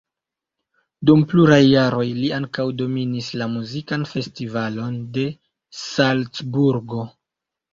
Dum pluraj jaroj li ankaŭ dominis la muzikan festivalon de Salcburgo.